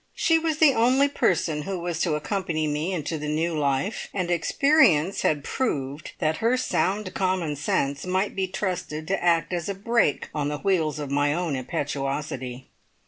She was the only person who was to accompany me into the new life, and experience had proved that her sound common sense might be trusted to act as a brake on the wheels of my own impetuosity.